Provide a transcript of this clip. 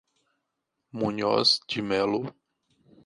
Munhoz de Mello